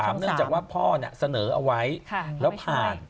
เนื่องจากว่าพ่อเสนอเอาไว้แล้วผ่าน